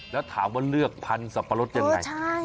แล้วถามว่าเลือกทันสัปปะรดที่อย่างไร